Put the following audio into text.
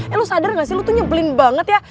eh lo sadar gak sih lu tuh nyebelin banget ya